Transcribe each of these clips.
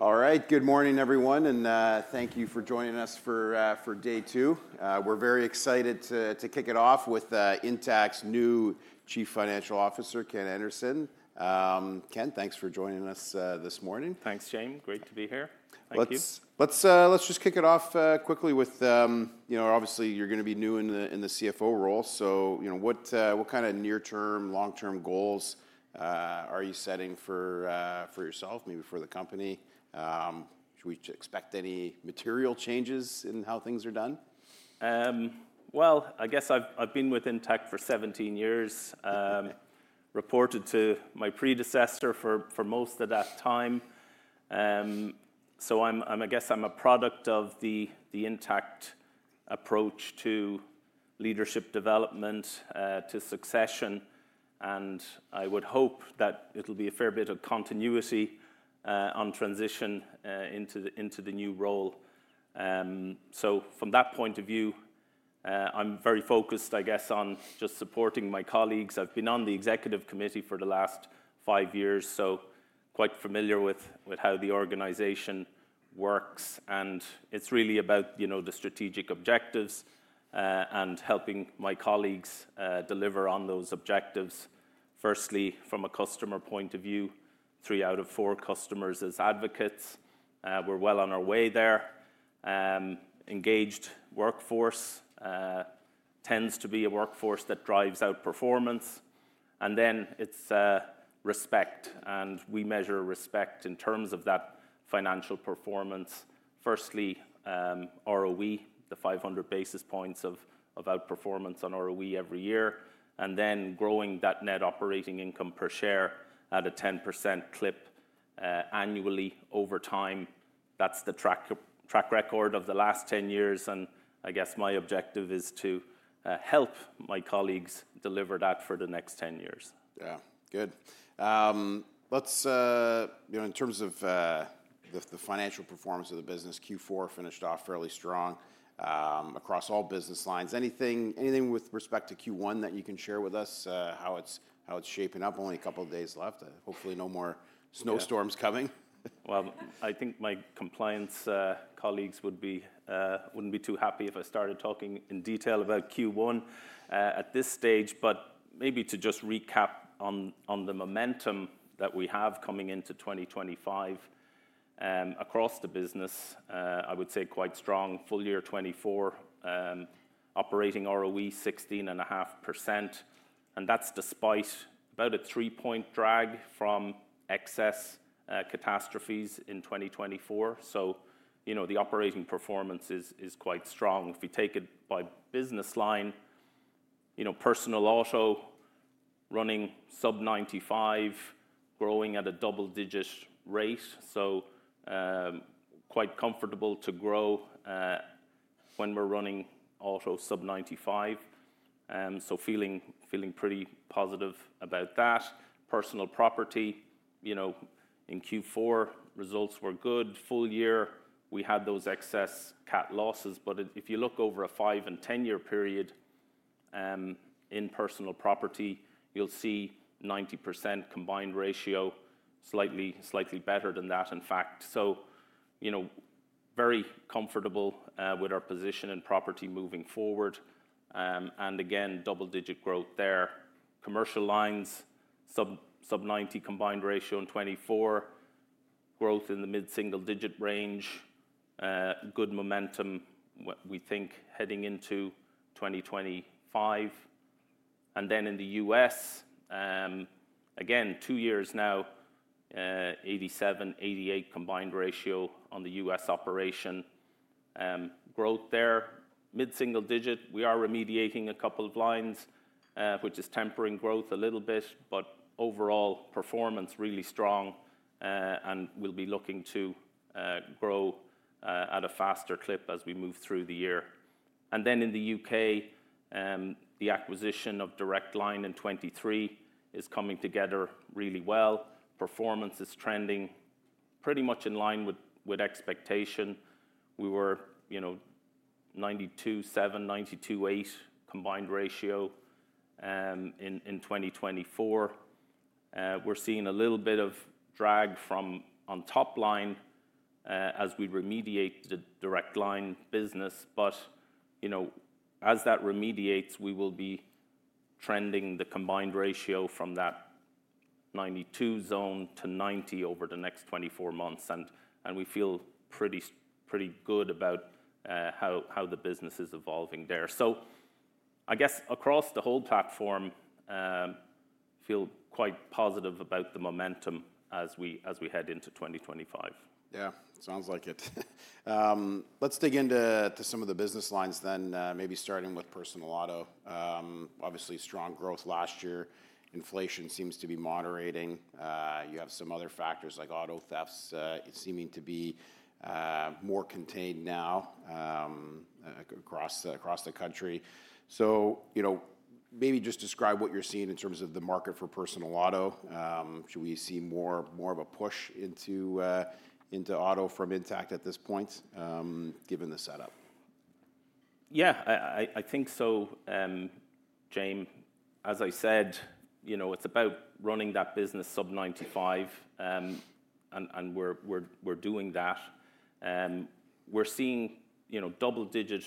All right, good morning everyone and thank you for joining us for day two. We're very excited to kick it off with Intact's new Chief Financial Officer, Ken Anderson. Ken, thanks for joining us this morning. Thanks, James. Great to be here. Let's just kick it off quickly with obviously you're going to be new in the CFO role. So what kind of near term, long term goals are you setting for yourself, maybe for the company? Should we expect any material changes in how things are done? I guess I've been with Intact for 17 years, reported to my predecessor for most of that time. I guess I'm a product of the Intact approach to leadership development, to succession, and I would hope that it'll be a fair bit of continuity on transition into the new role. From that point of view, I'm very focused, I guess, on just supporting my colleagues. I've been on the executive committee for the last five years, so quite familiar with how the organization works and it's really about the strategic objectives and helping my colleagues deliver on those objectives. Firstly, from a customer point of view, three out of four customers as advocates, we're well on our way there. Engaged workforce tends to be a workforce that drives out performance and then it's respect and we measure respect in terms of that financial performance. Firstly, ROE, the 500 basis points of outperformance on ROE every year and then growing that net operating income per share at a 10% clip annually over time. That is the track record of the last 10 years. I guess my objective is to help my colleagues deliver that for the next 10 years. Yeah, good. In terms of the financial performance of the business, Q4 finished off fairly strong across all business lines. Anything with respect to Q1 that you can share with us how it's shaping up? Only a couple of days left, hopefully no more snowstorms coming. I think my compliance colleagues would not be too happy if I started talking in detail about Q1 at this stage. Maybe to just recap on the momentum that we have coming into 2025 across the business, I would say quite strong. Full year 2024, operating ROE, 16.5% and that is despite about a three point drag from excess catastrophes in 2024. You know, the operating performance is quite strong if we take it by business line. You know, Personal Auto running sub-95 growing at a double digit rate. Quite comfortable to grow when we are running Auto sub-95. Feeling pretty positive about that. Personal Property, you know, in Q4 results were good. Full year we had those excess cat losses. If you look over a five and ten year period in Personal Property, you'll see 90% combined ratio, slightly, slightly better than that in fact. You know, very comfortable with our position in Property moving forward. Again, double digit growth there. Commercial lines sub-90 combined ratio in 2024, growth in the mid single digit range. Good momentum, we think, heading into 2025. In the U.S., again, two years now, 87%-88% combined ratio on the U.S. operation, growth there mid single digit. We are remediating a couple of lines, which is tempering growth a little bit, but overall performance really strong and we'll be looking to grow at a faster clip as we move through the year. In the U.K., the acquisition of Direct Line in 2023 is coming together really well. Performance is trending pretty much in line with expectation. We were, you know, 92.7%, 92.8% combined ratio in 2024. We're seeing a little bit of drag from on top line as we remediate the Direct Line business. You know, as that remediates we will be trending the combined ratio from that 92% zone to 90% over the next 24 months and we feel pretty good about how the business is evolving there. I guess across the whole platform feel quite positive about the momentum as we, as we head into 2025. Yeah, sounds like it. Let's dig into some of the business lines then maybe starting with Personal Auto. Obviously strong growth last year, inflation seems to be moderating. You have some other factors like auto thefts seeming to be more contained now across the country. You know, maybe just describe what you're seeing in terms of the market for Personal Auto. Should we see more of a push into Auto from Intact at this point given the setup? Yeah, I think so James. As I said, you know, it's about running that business sub-95 and we're doing that. We're seeing, you know, double digit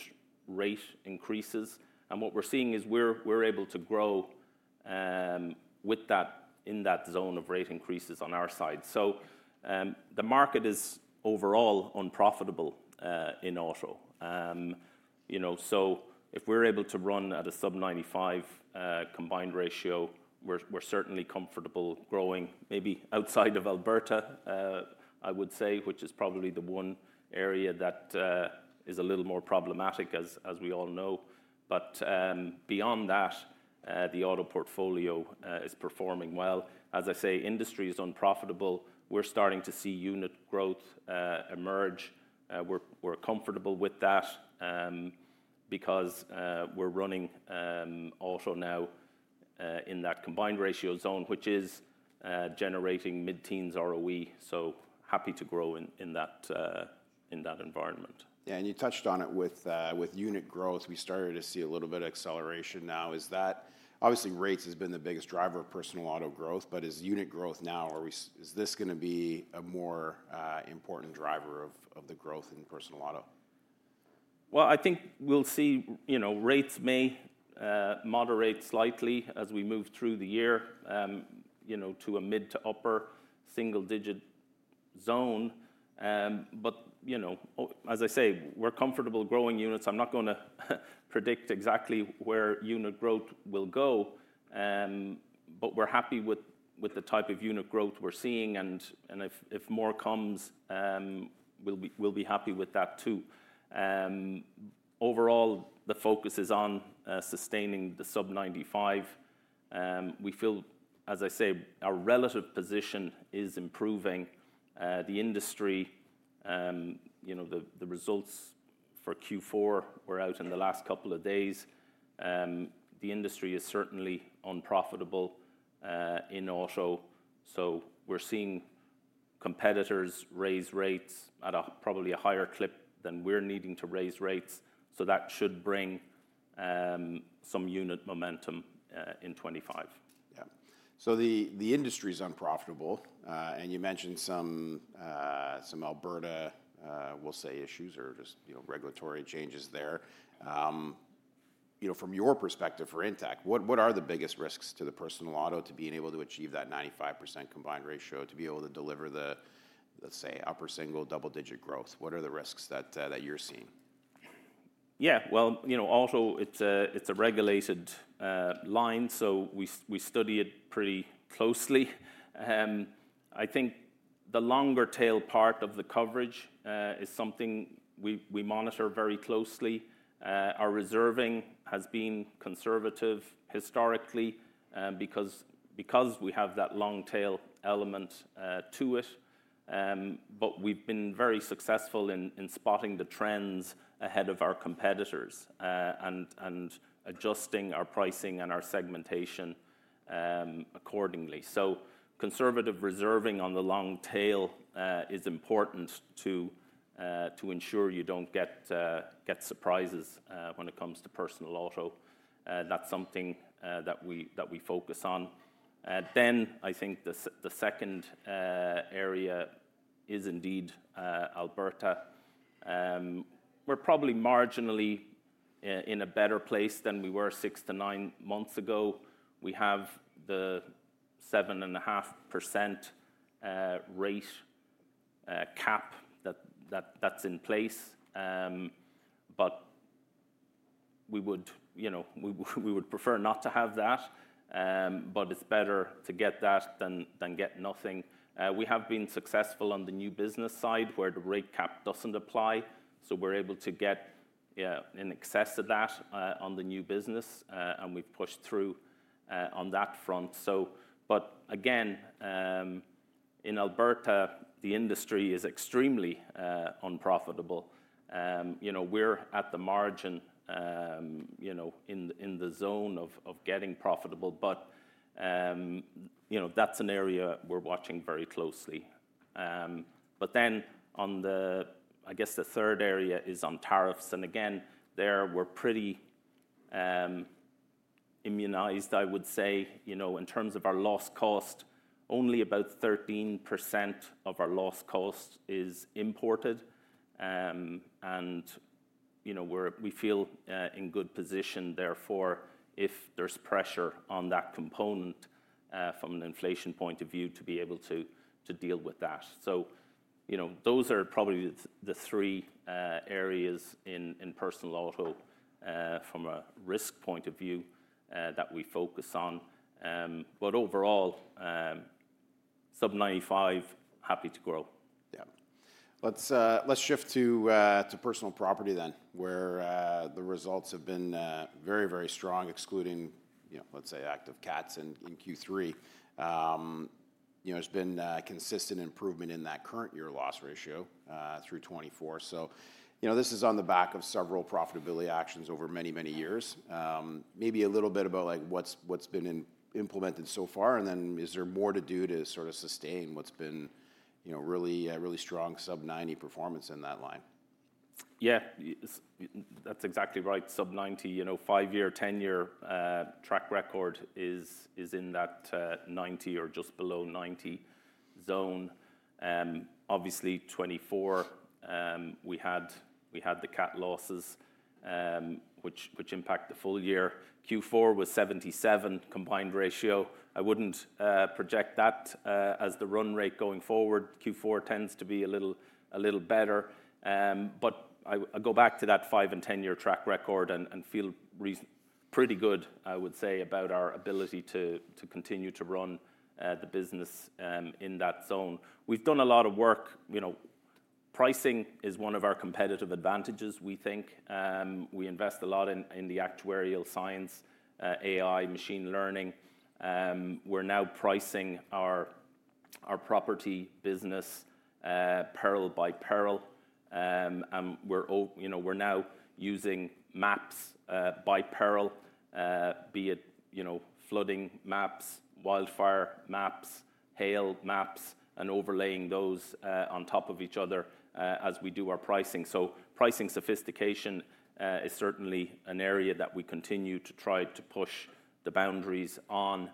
rate increases and what we're seeing is we're able to grow in that zone of rate increases on our side. The market is overall unprofitable in Auto, you know, so if we're able to run at a sub-95 combined ratio, we're certainly comfortable growing maybe outside of Alberta I would say, which is probably the one area that is a little more problematic as we all know. Beyond that the Auto portfolio is performing well. As I say, industry is unprofitable. We're starting to see unit growth emerge. We're comfortable with that because we're running Auto now in that combined ratio zone which is generating mid teens ROE so happy to grow in that environment. Yeah. You touched on it with unit growth. We started to see a little bit of acceleration. Now, is that, obviously rates have been the biggest driver of Personal Auto growth, but is unit growth now, is this going to be a more important driver of the growth in Personal Auto? I think we'll see rates may moderate slightly as we move through the year to a mid to upper single digit zone. But as I say we're comfortable growing units. I'm not going to predict exactly where unit growth will go, but we're happy with the type of unit growth we're seeing and if more comes, we'll be happy with that too. Overall, the focus is on sustaining the sub-95. We feel, as I say, our relative position is improving the industry. You know, the results for Q4 were out in the last couple of days. The industry is certainly unprofitable in Auto. So we're seeing competitors raise rates at probably a higher clip than we're needing to raise rates. So that should bring some unit momentum in 2025. Yeah. The industry is unprofitable and you mentioned some Alberta, we'll say, issues or just regulatory changes there. From your perspective for Intact, what are the biggest risks to the Personal Auto? To being able to achieve that 95% combined ratio, to be able to deliver the, the, let's say, upper single double digit growth. What are the risks that you're seeing? Yeah, you know, Auto, it's a regulated line so we study it pretty closely. I think the longer tail part of the coverage is something we monitor very closely. Our reserving has been conservative historically because we have that long tail element to it. We've been very successful in spotting the trends ahead of our competitors and adjusting our pricing and our segmentation accordingly. Conservative reserving on the long tail is important to ensure you don't get surprises when it comes to Personal Auto. That's something that we focus on. I think the second area is indeed Alberta. We're probably marginally in a better place than we were six to nine months ago. We have the 7.5% rate cap that's in place. We would, you know, we would prefer not to have that, but it's better to get that than get nothing. We have been successful on the new business side where the rate cap does not apply so we are able to get in excess of that on the new business and we have pushed through on that front. In Alberta the industry is extremely unprofitable. You know, we are at the margin, you know, in the zone of getting profitable. But you know, that is an area we are watching very closely. I guess the third area is on tariffs and again there we are pretty immunized, I would say, you know, in terms of our loss cost, only about 13% of our loss cost is imported. We feel in good position therefore, if there is pressure on that component from an inflation point of view to be able to deal with that. Those are probably the three areas in Personal Auto from a risk point of view that we focus on. Overall, sub-95, happy to grow. Yeah, let's shift to Personal Property then where the results have been very, very strong. Excluding, let's say, active cats in Q3, there's been consistent improvement in that current year loss ratio through 2024. This is on the back of several profitability actions over many, many years. Maybe a little bit about like what's been implemented so far. Is there more to do to sort of sustain what's been, you know, really, really strong sub-90 performance in that line? Yeah, that's exactly right. Sub-90, you know, five year, ten year track record is, is in that 90 or just below 90 zone. Obviously 2024 we had, we had the cat losses which, which impact the full year. Q4 was 77% combined ratio. I wouldn't project that as the run rate going forward. Q4 tends to be a little, a little better. I go back to that five and ten year track record and feel pretty good, I would say, about our ability to continue to run the business in that zone. We've done a lot of work. You know, pricing is one of our competitive advantages. We think we invest a lot in the actuarial science, AI, machine learning. We're now pricing our Property business peril by peril and we're now using maps by peril, be it flooding maps, wildfire maps, hail maps and overlaying those on top of each other as we do our pricing. Pricing sophistication is certainly an area that we continue to try to push the boundaries on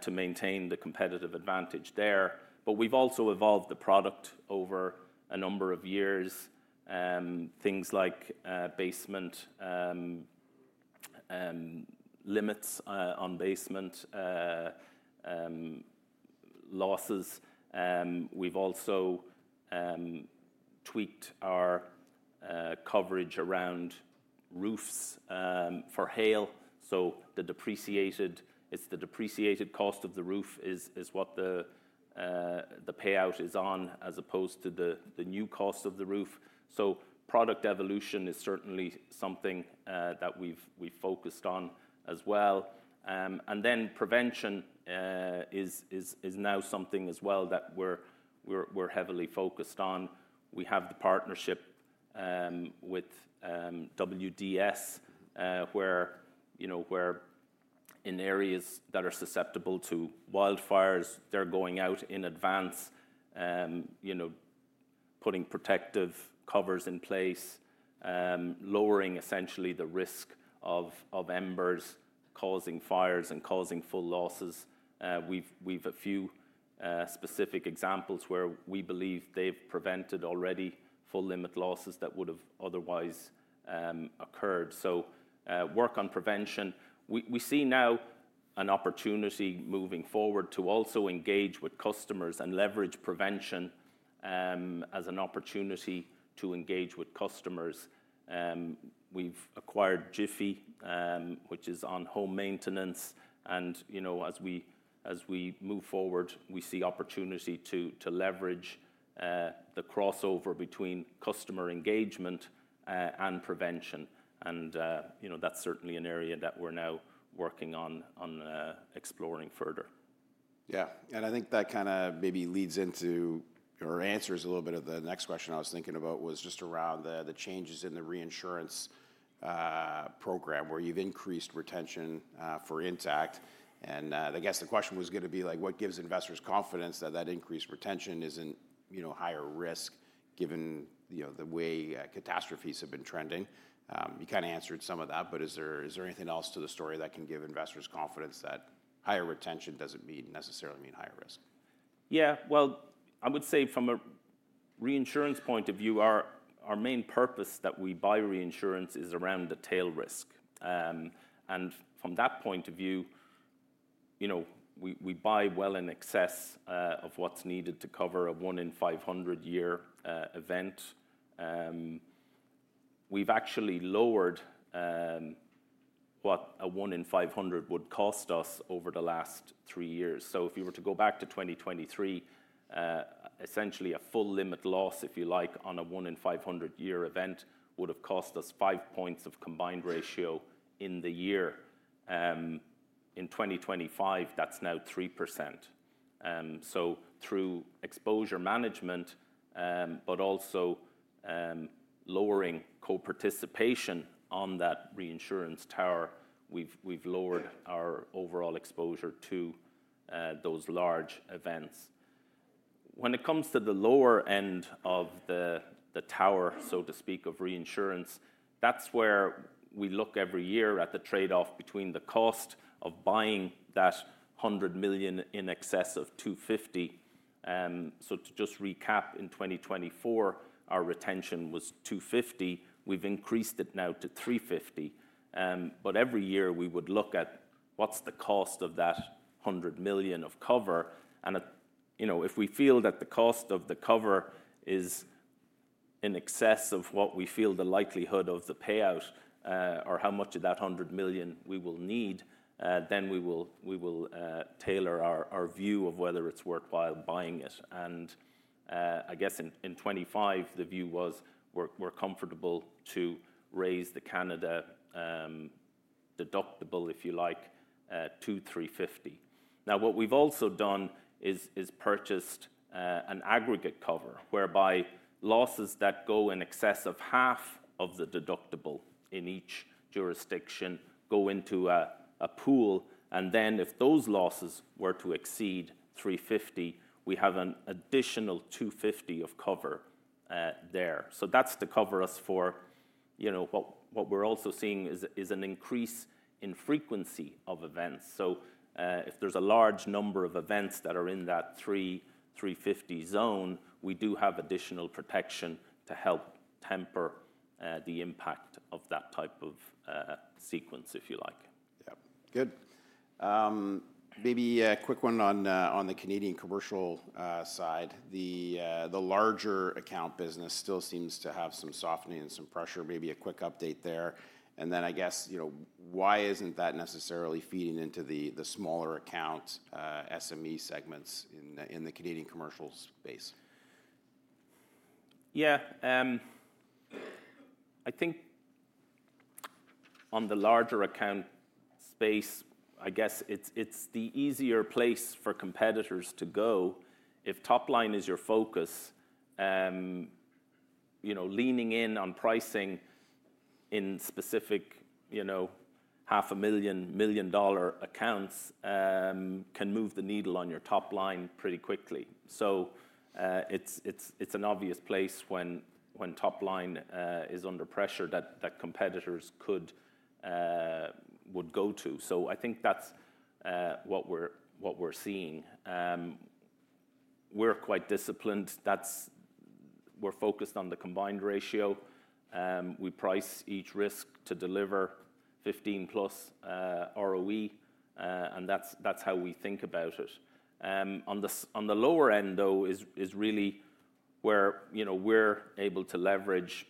to maintain the competitive advantage there. We've also evolved the product over a number of years. Things like basement limits on basement losses. We've also tweaked our coverage around roofs for hail. The depreciated, it's the depreciated cost of the roof is what the payout is on as opposed to the new cost of the roof. Product evolution is certainly something that we focused on as well. Prevention is now something as well that we're heavily focused on. We have the partnership with WDS where, you know, where in areas that are susceptible to wildfires, they're going out in advance, you know, putting protective covers in place, lowering essentially the risk of embers causing fires and causing full losses. We have a few specific examples where we believe they've prevented already full limit losses that would have otherwise occurred. Work on prevention. We see now an opportunity moving forward to also engage with customers and leverage prevention as an opportunity to engage with customers. We've acquired Jiffy, which is on home maintenance. You know, as we move forward we see opportunity to leverage the crossover between customer engagement and prevention. You know, that's certainly an area that we're now working on exploring further. Yeah, and I think that kind of maybe leads into or answers a little bit of the next question I was thinking about was just around the changes in the reinsurance program where you've increased retention for Intact. I guess the question was going to be like what gives investors confidence that that increased retention isn't, you know, higher risk given the way catastrophes have been trending? You kind of answered some of that. Is there anything else to the story that can give investors confidence that higher retention doesn't necessarily mean higher risk? Yeah, I would say from a reinsurance point of view, our main purpose that we buy reinsurance is around the tail risk. From that point of view, you know, we buy well in excess of what is needed to cover a 1 in 500 year event. We have actually lowered what a 1 in 500 would cost us over the last three years. If you were to go back to 2023, essentially a full limit loss, if you like, on a 1 in 500 year event would have cost us 5 points of combined ratio in the year in 2025. That is now 3%. Through exposure management, but also lowering co participation on that reinsurance tower, we have lowered our overall exposure to those large events. When it comes to the lower end of the tower, so to speak of reinsurance, that's where we look every year at the trade off between the cost of buying that 100 million in excess of 250 million. To just recap, in 2024 our retention was 250 million. We've increased it now to 350 million. Every year we would look at what's the cost of that 100 million of cover and, you know, if we feel that the cost of the cover is in excess of what we feel the likelihood of the payout or how much of that 100 million we will need, then we will tailor our view of whether it's worthwhile buying it. I guess in 2025 the view was we're comfortable to raise the Canada deductible, if you like, to 350 million. Now what we've also done is purchased an aggregate cover whereby losses that go in excess of half of the deductible in each jurisdiction go into a pool, and then if those losses were to exceed 350 million, we have an additional 250 million of cover there. That's to cover us for, you know, what we're also seeing is an increase in frequency of events. If there's a large number of events that are in that 300 million-350 million zone, we do have additional protection to help temper the impact of that type of sequence, if you like. Yeah, good. Maybe a quick one. On the Canadian commercial side, the larger account business still seems to have some softening and some pressure. Maybe a quick update there and then I guess, you know, why isn't that necessarily feeding into the smaller account SME segments in the Canadian commercial space? Yeah, I think on the larger account space I guess it's the easier place for competitors to go. If top line is your focus leaning in on pricing in specific 500,000-1 million accounts can move the needle on your top line pretty quickly. It's an obvious place when top line is under pressure that competitors would go to. I think that's what we're seeing. We're quite disciplined, we're focused on the combined ratio. We price each risk to deliver 15%+ ROE and that's how we think about it. On the lower end though is really where we're able to leverage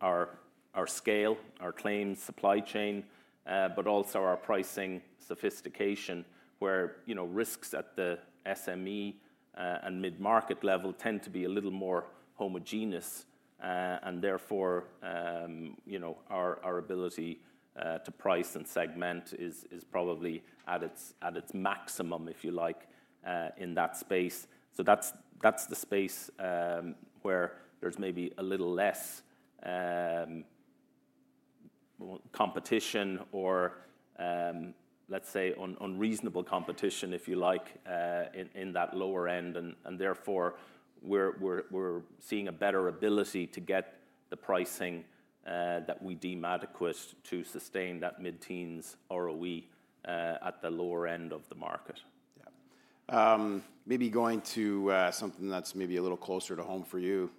our scale, our claims supply chain, but also our pricing sophistication where risks at the SME and mid market level tend to be a little more homogeneous and therefore our ability to price and segment is probably at its maximum if you like, in that space. That is the space where there's maybe a little less competition or let's say unreasonable competition if you like, in that lower end and therefore we're seeing a better ability to get the pricing that we deem adequate to sustain that mid teens ROE at the lower end of the market. Maybe going to something that's maybe a little closer to home for you.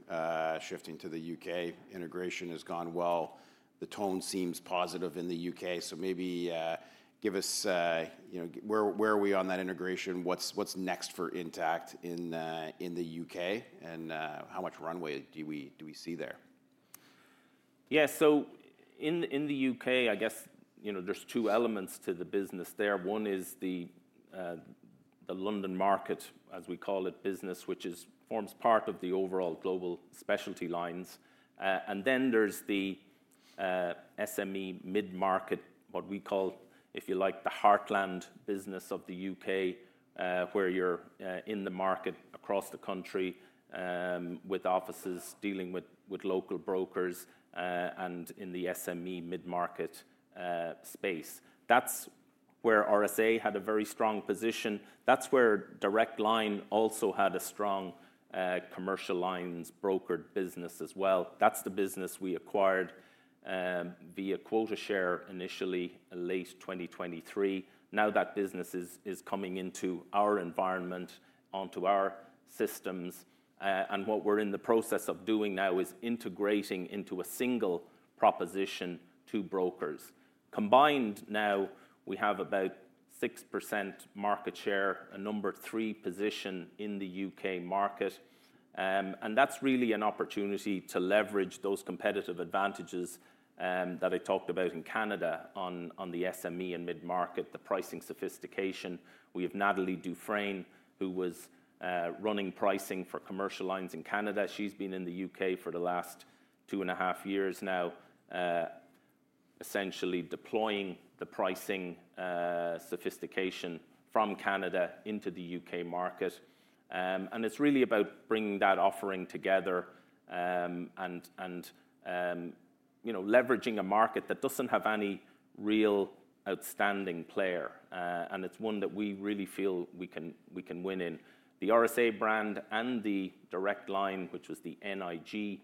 Shifting to the U.K. integration has gone well. The tone seems positive in the U.K. So maybe give us, where are we on that integration? What's next for Intact in the U.K. and how much runway do we see there? Yeah, so in the U.K., I guess there's two elements to the business there. One is the London market, as we call it, business, which forms part of the overall global specialty lines. And then there's the SME mid market, what we call, if you like, the heartland business of the U.K., where you're in the market across the country with offices dealing with local brokers. In the SME mid market space, that's where RSA had a very strong position. That's where Direct Line also had a strong commercial lines brokered business as well. That's the business we acquired via quota share initially, late 2023. Now that business is coming into our environment, onto our systems, and what we're in the process of doing now is integrating into a single proposition, two brokers combined. Now we have about 6% market share, a number three position in the U.K. market. That's really an opportunity to leverage those competitive advantages that I talked about in Canada on the SME and mid market, the pricing sophistication. We have Nathalie Dufresne, who was running pricing for commercial lines in Canada. She's been in the U.K. for the last two and a half years now, essentially deploying the pricing sophistication from Canada into the U.K. market. It's really about bringing that offering together and leveraging a market that doesn't have any real outstanding player. It's one that we really feel we can win in. The RSA brand and the Direct Line, which was the NIG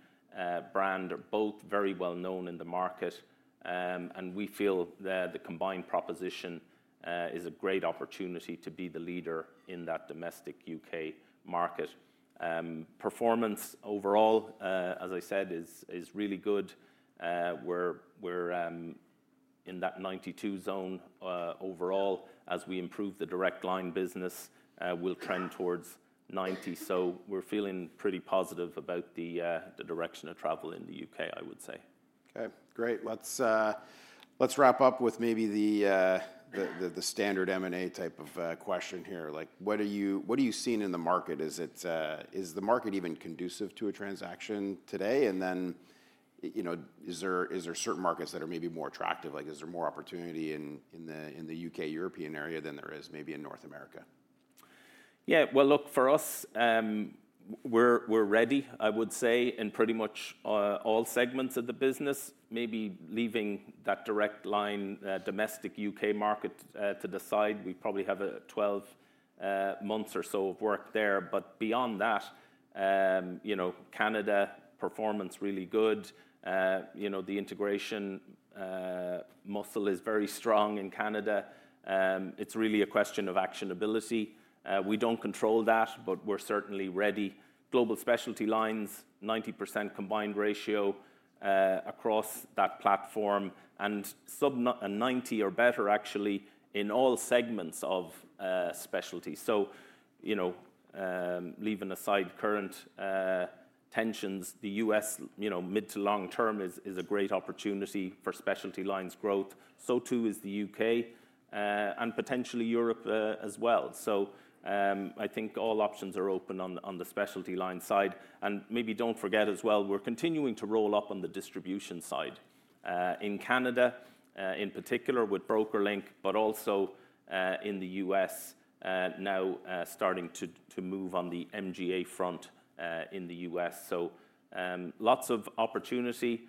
brand, are both very well known in the market. We feel the combined proposition is a great opportunity to be the leader in that domestic U.K. market. Performance overall, as I said, is really good. We're in that 92% zone. Overall, as we improve the Direct Line business, we'll trend towards 90%. We are feeling pretty positive about the direction of travel in the U.K., I would say. Okay, great. Let's wrap up with maybe the standard M&A type of question here. What are you seeing in the market? Is the market even conducive to a transaction today? You know, is there certain markets that are maybe more attractive? Like, is there more opportunity in the U.K. European area than there is maybe in North America? Yeah, look, for us, we're ready, I would say, in pretty much all segments of the business, maybe leaving that Direct Line, domestic U.K. market to the side. We probably have 12 months or so of work there. Beyond that, you know, Canada performance really good. You know, the integration muscle is very strong in Canada. It's really a question of actionability. We don't control that, but we're certainly ready. Global specialty lines, 90% combined ratio across that platform and sub-90 or better actually in all segments of specialty. You know, leaving aside current tensions, the U.S., you know, mid to long term is a great opportunity for specialty lines growth. Too is the U.K. and potentially Europe as well. I think all options are open on the specialty line side. Maybe don't forget as well we're continuing to roll up on the distribution side here in Canada in particular with BrokerLink, but also in the U.S. now starting to move on the MGA front in the U.S. so lots of opportunity.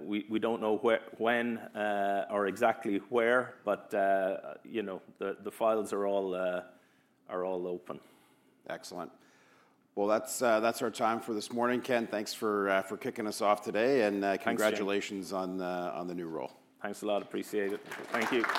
We don't know when or exactly where, but you know, the files are all open. Excellent. That is our time for this morning. Ken, thanks for kicking us off today and congratulations on the new role. Thanks a lot. Appreciate it. Thank you.